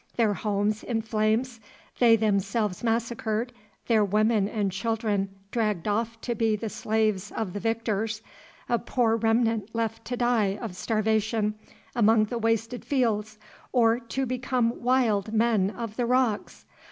Their homes in flames, they themselves massacred, their women and children dragged off to be the slaves of the victors, a poor remnant left to die of starvation among the wasted fields or to become wild men of the rocks!